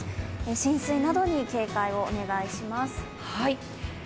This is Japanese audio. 浸水などに警戒をお願いします。